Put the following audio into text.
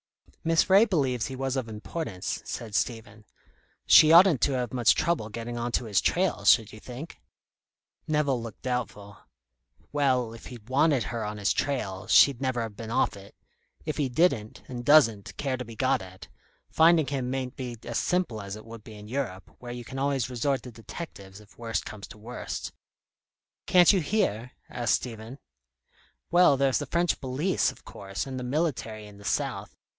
"Miss Ray believes he was of importance," said Stephen. "She oughtn't to have much trouble getting on to his trail, should you think?" Nevill looked doubtful. "Well, if he'd wanted her on his trail, she'd never have been off it. If he didn't, and doesn't, care to be got at, finding him mayn't be as simple as it would be in Europe, where you can always resort to detectives if worst comes to worst." "Can't you here?" asked Stephen. "Well, there's the French police, of course, and the military in the south.